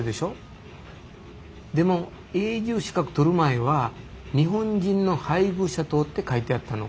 でも永住資格取る前は「日本人の配偶者等」って書いてあったの。